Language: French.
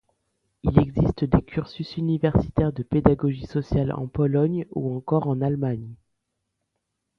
Il existe des cursus universitaires de pédagogie sociale en Pologne ou encore en Allemagne.